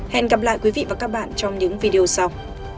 hẹn gặp lại quý vị và các bạn trong những video sau